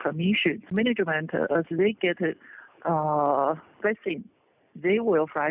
พอมีร่วมแพร่ก็จะไปไทยก่อนครับ